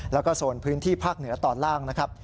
แล้วก็โซนพื้นที่ภาคเหนือตอนล่างนะครับ